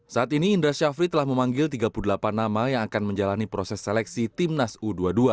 saat ini indra syafri telah memanggil tiga puluh delapan nama yang akan menjalani proses seleksi timnas u dua puluh dua